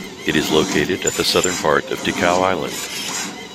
It is located at the southern point of Ticao Island.